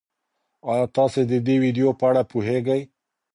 ایا تاسي د دې ویډیو په اړه پوهېږئ؟